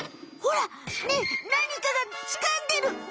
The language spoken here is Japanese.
ほらねっ何かがつかんでる！